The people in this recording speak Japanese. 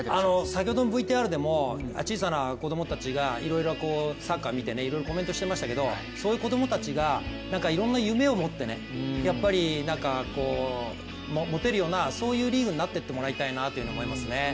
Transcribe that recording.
先ほどのＶＴＲでも小さな子供たちがいろいろサッカー見ていろいろコメントしてましたけれども、そういう子供たちがいろんな夢を持てるようなリーグになってってほしいなというふうに思いますね。